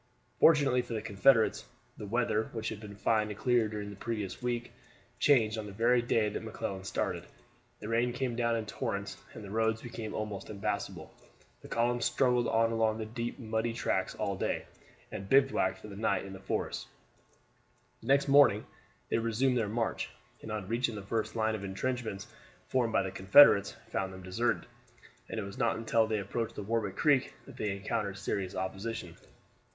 Fortunately for the Confederates, the weather, which had been fine and clear during the previous week, changed on the very day that McClellan started. The rain came down in torrents, and the roads became almost impassable. The columns struggled on along the deep and muddy tracks all day, and bivouacked for the night in the forests. The next morning they resumed their march, and on reaching the first line of intrenchments formed by the Confederates found them deserted, and it was not until they approached the Warwick Creek that they encountered serious opposition.